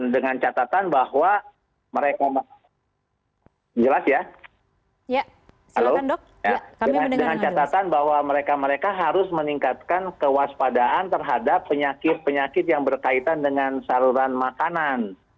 dengan catatan bahwa mereka mereka harus meningkatkan kewaspadaan terhadap penyakit penyakit yang berkaitan dengan saluran makanan